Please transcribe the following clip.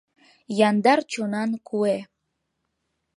Яндар чонан куэ.